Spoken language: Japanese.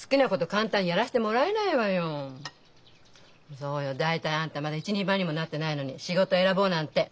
そうよ大体あんたまだ一人前にもなってないのに仕事選ぼうなんて。